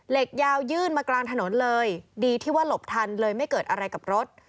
ยาวยื่นมากลางถนนเลยดีที่ว่าหลบทันเลยไม่เกิดอะไรกับรถ